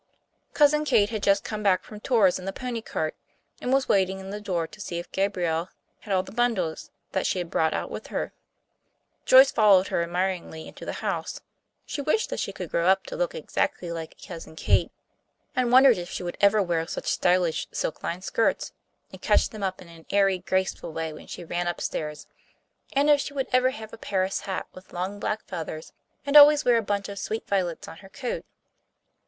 Cousin Kate had just come back from Tours in the pony cart, and was waiting in the door to see if Gabriel had all the bundles that she had brought out with her. Joyce followed her admiringly into the house. She wished that she could grow up to look exactly like Cousin Kate, and wondered if she would ever wear such stylish silk lined skirts, and catch them up in such an airy, graceful way when she ran up stairs; and if she would ever have a Paris hat with long black feathers, and always wear a bunch of sweet violets on her coat.